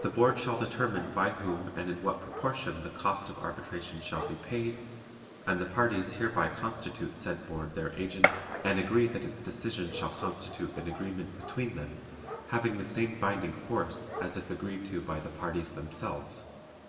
The Board shall determine by whom and in what proportion the cost of arbitration shall be paid, and the parties hereby constitute said Board their agents and agree that its decision shall constitute an agreement between them, having the same binding force as if agreed to by the parties themselves.